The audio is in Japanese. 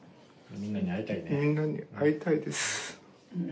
みんなに会いたいです。